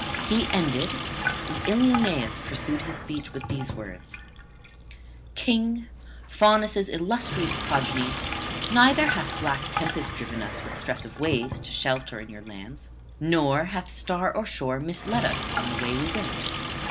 He ended; and Ilioneus pursued his speech with these words: 'King, Faunus' illustrious progeny, neither hath black tempest driven us with stress of waves to shelter in your lands, nor hath star or shore misled us on the way we went.